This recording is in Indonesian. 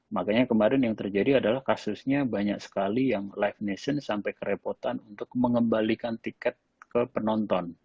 makanya kemarin yang terjadi adalah kasusnya banyak sekali yang live nation sampai kerepotan untuk mengembalikan tiket ke penonton